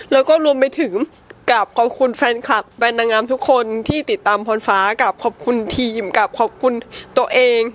แล้วก็รวมไปถึงกับขอบคุณแฟนคลับแฟนนางงามทุกคนที่ติดตามพรฟ้ากับขอบคุณทีมกับขอบคุณตัวเอง